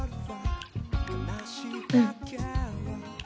うん。